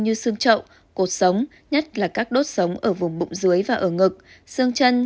như xương trậu cột sống nhất là các đốt sống ở vùng bụng dưới và ở ngực xương chân